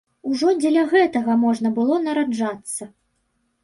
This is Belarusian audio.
Ужо дзеля гэтага можна было нараджацца!